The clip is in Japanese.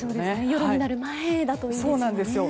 夜になる前だといいですよね。